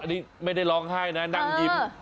อันนี้ไม่ได้ร้องไห้นะนั่งยิ้ม